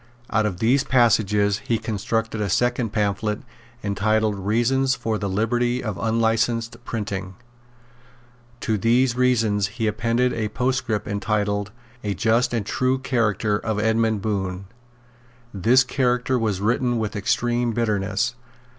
Out of these passages he constructed a second pamphlet entitled Reasons for the Liberty of Unlicensed Printing. To these Reasons he appended a postscript entitled A Just and True Character of Edmund Bohun. This character was written with extreme bitterness.